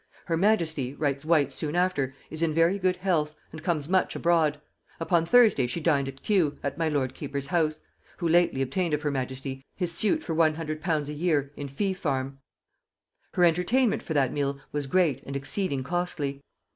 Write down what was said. "Her majesty," says Whyte soon after, "is in very good health, and comes much abroad; upon Thursday she dined at Kew, at my lord keeper's house, (who lately obtained of her majesty his suit for one hundred pounds a year in fee farm,) her entertainment for that meal was great and exceeding costly.